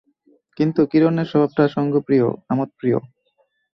কিন্তু কিরণের স্বভাবটা সঙ্গপ্রিয়, আমোদপ্রিয়।